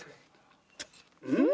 うん！